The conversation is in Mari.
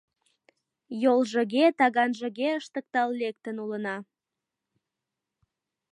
Йолжыге-таганжыге ыштыктал лектын улына.